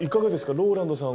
ＲＯＬＡＮＤさん